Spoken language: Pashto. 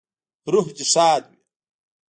روح دې ښاد وي